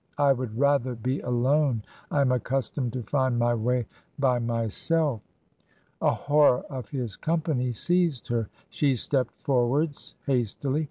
" I would rather be alone. I am accustomed to find my way by myself." A horror of his company seized her ; she stepped for wards hastily.